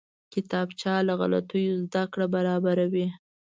کتابچه له غلطیو زده کړه برابروي